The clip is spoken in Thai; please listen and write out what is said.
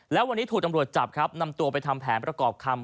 แล้ววันนี้ถูกตำรวจจับครับนำตัวไปทำแผนประกอบคำ